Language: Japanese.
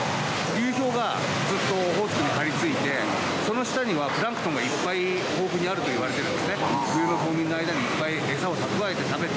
流氷がずっとオホーツクに張り付いてその下にはプランクトンがいっぱい豊富にあるといわれてるんですね。